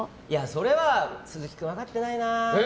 それは、鈴木君分かってないな。